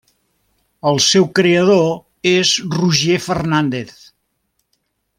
El seu creador és Roger Fernández.